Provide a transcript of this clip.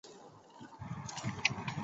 阿河最终在格拉沃利讷注入北海。